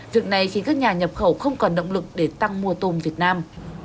việc này khiến các nhà nhập khẩu không còn động lực để tăng mua tôm việt nam